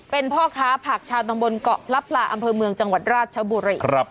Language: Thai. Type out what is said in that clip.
เป็นพ่อค้าผักชาวตำบลเกาะลับลาอำเภอเมืองจังหวัดราชบุรี